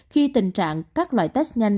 khi tình trạng các loại test nhanh